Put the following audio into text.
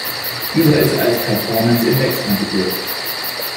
Dieser ist als Performance-Index konzipiert.